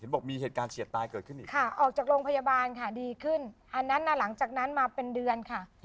บอกมีเหตุการณ์เฉียดตายเกิดขึ้นอีกค่ะออกจากโรงพยาบาลค่ะดีขึ้นอันนั้นน่ะหลังจากนั้นมาเป็นเดือนค่ะ